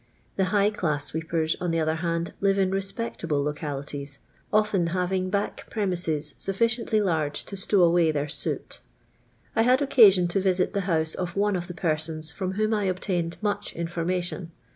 The high class" sweepers, on the other hand, live in respectable localities, often having back premises sufticiently large to stow away their soot I had occasion to visit the house of one of the persons from whom I obtained much information.